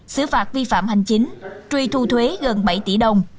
xứ phạt vi phạm hành chính truy thu thuế gần bảy tỷ đồng